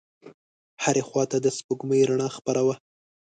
هرې خواته د سپوږمۍ رڼا خپره وه.